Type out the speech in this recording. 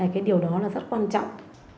cái điều đó là rất quan trọng